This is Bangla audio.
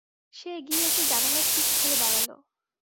সে এগিয়ে এসে জানালার শিক ধরে দাঁড়াল।